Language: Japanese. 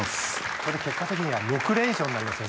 これ結果的には６連勝になりますよ。